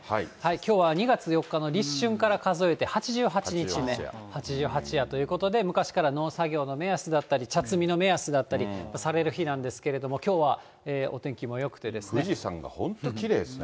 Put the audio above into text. きょうは２月４日の立春から数えて８８日目、八十八夜ということで、昔から農作業の目安だったり、茶摘みの目安だったりされる日なんですけれども、富士山が本当きれいですね。